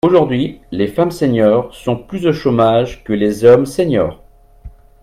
Aujourd’hui, les femmes seniors sont plus au chômage que les hommes seniors.